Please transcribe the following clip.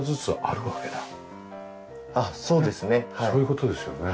そういう事ですよね。